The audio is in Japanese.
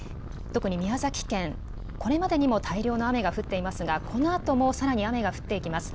特に宮崎県、これまでにも大量の雨が降っていますが、このあともさらに雨が降っていきます。